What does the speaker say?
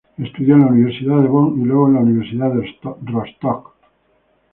Estudió en la Universidad de Bonn y luego en la Universidad de Rostock.